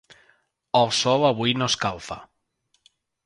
El sol avui no escalfa.